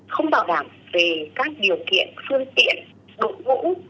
không bảo đảm về các điều kiện phương tiện đội ngũ